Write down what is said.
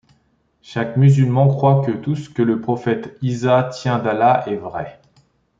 Chaque musulman croit que tout ce que le Prophète Îsâ tient d’Allah est vrai.